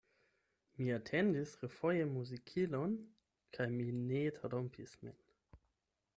Mi atendis refoje muzikilon kaj mi ne trompis min.